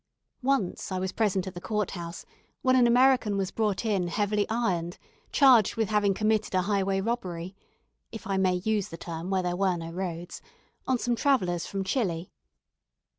Once I was present at the court house, when an American was brought in heavily ironed, charged with having committed a highway robbery if I may use the term where there were no roads on some travellers from Chili.